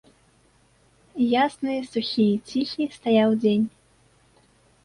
Ясны, сухі і ціхі стаяў дзень.